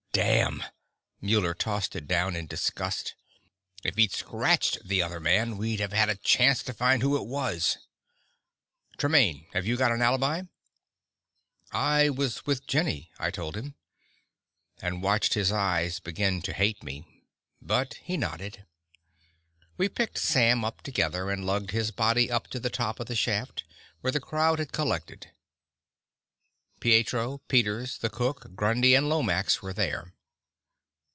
"Damn!" Muller tossed it down in disgust. "If he'd scratched the other man, we'd have had a chance to find who it was. Tremaine, have you got an alibi?" "I was with Jenny," I told him, and watched his eyes begin to hate me. But he nodded. We picked Sam up together and lugged his body up to the top of the shaft, where the crowd had collected. Pietro, Peters, the cook, Grundy and Lomax were there.